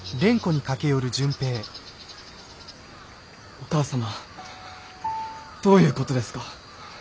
お母様どういう事ですか？